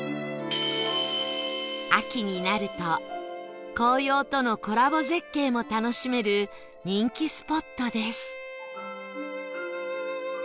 秋になると紅葉とのコラボ絶景も楽しめる人気スポットです